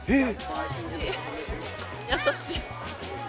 優しい。